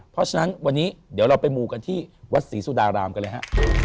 เพราะฉะนั้นวันนี้เดี๋ยวเราไปมูกันที่วัดศรีสุดารามกันเลยฮะ